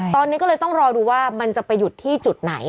ตอนนี้ก็เลยต้องรอดูว่ามันจะไปหยุดที่จุดไหน